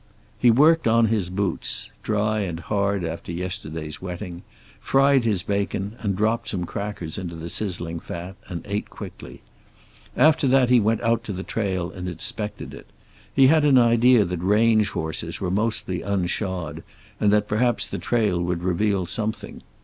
He worked on his boots, dry and hard after yesterday's wetting, fried his bacon and dropped some crackers into the sizzling fat, and ate quickly. After that he went out to the trail and inspected it. He had an idea that range horses were mostly unshod, and that perhaps the trail would reveal something.